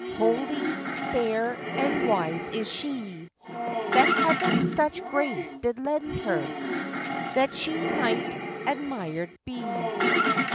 Holy, fair, and wise is she: The heavens such grace did lend her, That she might admired be.